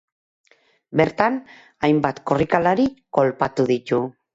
Bertan, hainbat korrikalari kolpatu ditu.